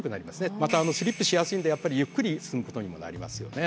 またスリップしやすいんでゆっくり進むことにもなりますよね。